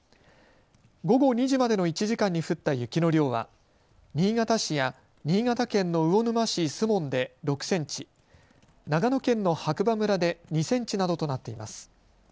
午後２時までの１時間に降った雪の量は新潟市や新潟県の魚沼市守門で６センチ、長野県の白馬村で２センチなどとなっています。